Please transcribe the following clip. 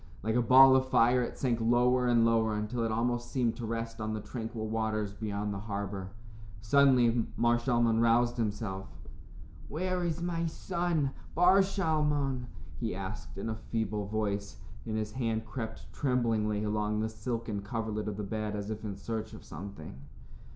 Like a ball of fire it sank lower and lower until it almost seemed to rest on the tranquil waters beyond the harbor. Suddenly, Mar Shalmon roused himself. "Where is my son, Bar Shalmon?" he asked in a feeble voice, and his hand crept tremblingly along the silken coverlet of the bed as if in search of something.